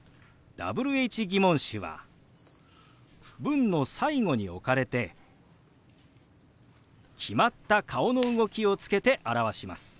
疑問詞は文の最後に置かれて決まった顔の動きをつけて表します。